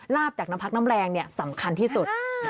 ลาบจากน้ำพักน้ำแรงเนี่ยสำคัญที่สุด